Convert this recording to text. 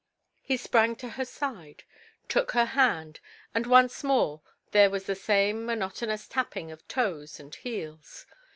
He sprang to her side, took her hand, and once more there was the same monotonous tapping of toes and heels.